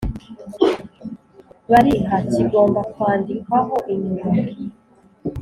bariha kigomba kwandikwaho inyuma